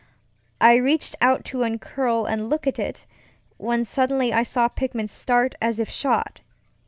I reached out to uncurl and look at it, when suddenly I saw Pickman start as if shot.